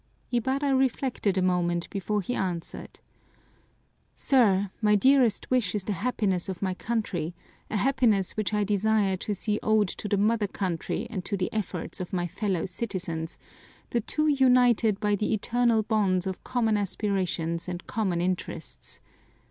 Ibarra reflected a moment before he answered. "Sir, my dearest wish is the happiness of my country, a happiness which I desire to see owed to the mother country and to the efforts of my fellow citizens, the two united by the eternal bonds of common aspirations and common interests.